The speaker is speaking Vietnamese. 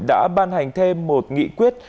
đã ban hành thêm một nghị quyết